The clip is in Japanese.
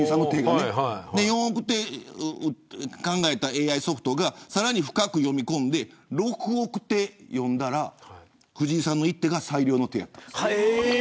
４億手考えたＡＩソフトがさらに深く読み込んで６億手読んだら藤井さんの一手が最良の手だった。